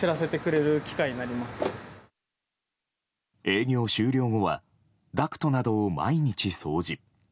営業終了後はダクトなどを毎日掃除。